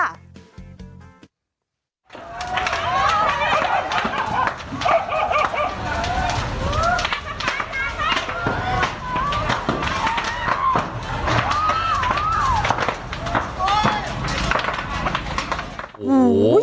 โอ้โห